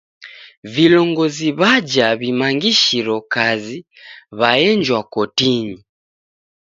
Vilongozi w'aja w'imangishiro kazi waenjwa kotinyi.